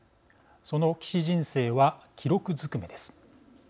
その棋士人生は記録ずくめです。